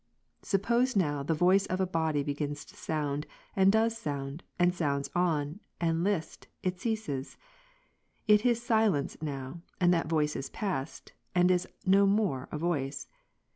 Suppose, now, the voice of >" a body begins to sound, and does sound, and sounds on, and list, it ceases ; it is silence now, and that voice is past, and is no more a voice.